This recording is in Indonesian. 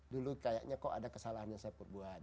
dulu kayaknya kok ada kesalahan yang saya perbuat